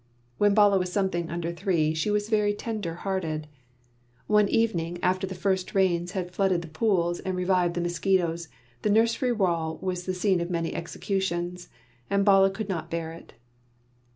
When Bala was something under three, she was very tender hearted. One evening, after the first rains had flooded the pools and revived the mosquitoes, the nursery wall was the scene of many executions; and Bala could not bear it.